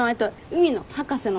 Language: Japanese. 海の博士の。